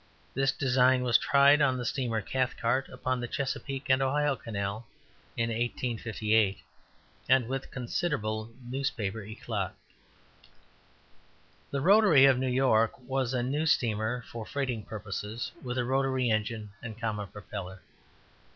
This design was tried on the steamer Cathcart, upon the Chesapeake and Ohio Canal, in 1858, and with considerable newspaper eclat. The Rotary, of New York, was a new steamer for freighting purposes, with a rotary engine and common propeller.